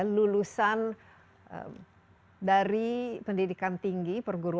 lulusan dari pendidikan tinggi perguruan